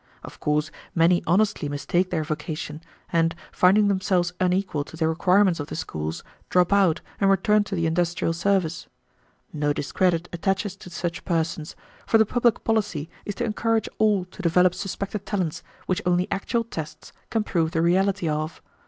Of course many honestly mistake their vocation, and, finding themselves unequal to the requirements of the schools, drop out and return to the industrial service; no discredit attaches to such persons, for the public policy is to encourage all to develop suspected talents which only actual tests can prove the reality of.